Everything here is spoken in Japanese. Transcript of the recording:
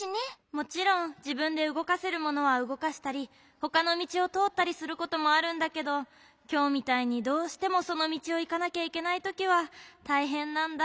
もちろんじぶんでうごかせるものはうごかしたりほかのみちをとおったりすることもあるんだけどきょうみたいにどうしてもそのみちをいかなきゃいけないときはたいへんなんだ。